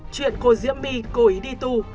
chuyện cô diễm my cô ý đi tu